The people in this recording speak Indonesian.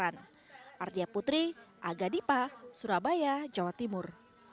ardia putri aga dipa surabaya jawa timur